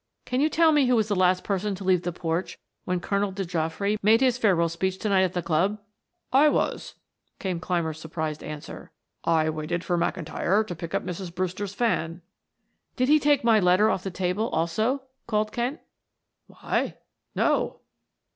Can you tell me who was the last person to leave the porch when Colonel de Geofroy made his farewell speech to night at the club?" "I was," came Clymer's surprised answer. "I waited for McIntyre to pick up Mrs. Brewster's fan." "Did he take my letter off the table also?" called Kent. "Why, no."